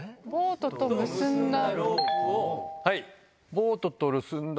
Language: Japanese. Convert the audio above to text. ボートと結んだ。